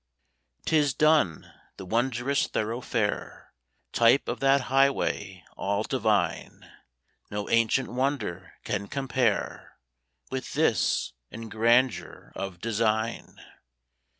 'Tis "Done" the wondrous thoroughfare Type of that Highway all divine! No ancient wonder can compare With this, in grandeur of design.